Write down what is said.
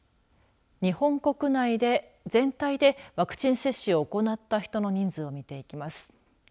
日本国内で全体でワクチン接種を行った人の人数を見ていきます。